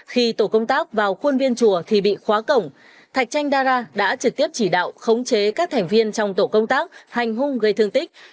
khi tổ công tác vào khuôn viên chùa thì bị khóa cổng thạch chanh dara đã trực tiếp chỉ đạo khống chế các thành viên trong tổ công tác hành hung gây thương tích